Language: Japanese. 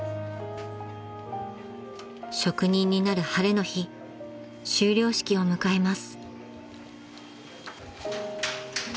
［職人になる晴れの日修了式を迎えます］